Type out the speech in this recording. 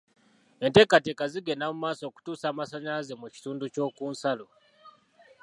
Enteekateeka zigenda mu maaso okutuusa amasannyalaze mu kitundu ky'oku nsalo.